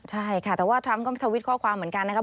ใช่ค่ะแต่ว่าทรัมป์ก็ทวิตข้อความเหมือนกันนะครับ